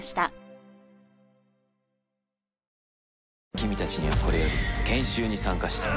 君たちにはこれより研修に参加してもらう。